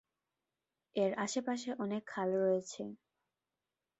এর আশপাশে অনেক খাল রয়েছে।